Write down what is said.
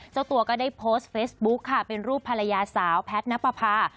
เจ้าตัวก็ได้โพสต์เฟซบุ๊คค่ะเป็นรูปภรรยาสาวแพทย์นับประพา